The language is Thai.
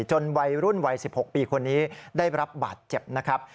วัยรุ่นวัย๑๖ปีคนนี้ได้รับบาดเจ็บนะครับ